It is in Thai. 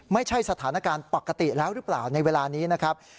สถานการณ์ปกติแล้วหรือเปล่าในเวลานี้นะครับ